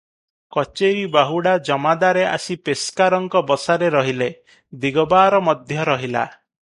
କଚେରି ବାହୁଡ଼ା ଜମାଦାରେ ଆସି ପେସ୍କାରଙ୍କ ବସାରେ ରହିଲେ, ଦିଗବାର ମଧ୍ୟ ରହିଲା ।